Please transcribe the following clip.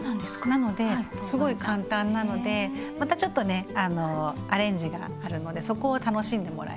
なのですごい簡単なのでまたちょっとねアレンジがあるのでそこを楽しんでもらえたらと思います。